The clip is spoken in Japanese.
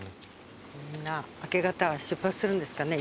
みんな明け方出発するんですかね